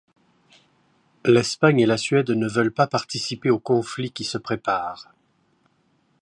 L'Espagne et la Suède ne veulent pas participer au conflit qui se prépare.